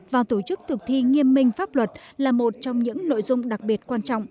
và tổ chức thực thi nghiêm minh pháp luật là một trong những nội dung đặc biệt quan trọng